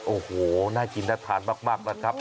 โอ้โฮน่ากินนัดทานมากแล้วครับ